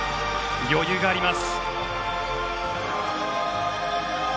余裕があります。